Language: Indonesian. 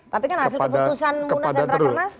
tapi kan hasil keputusan munas dan rakyat kremas